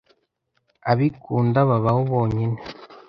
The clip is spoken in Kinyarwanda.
Abikunda babaho bonyine.